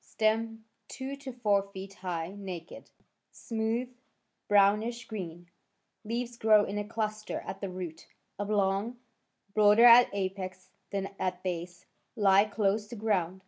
Stem two to four feet high— naked, smooth —brownish green. Leaves grow in a cluster at the root— oblong —broader at apex than at base— he close to ground.